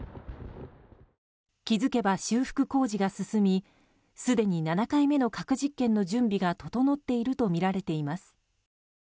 気づけば修復工事が進みすでに７回目の核実験の準備が整っているとみられています。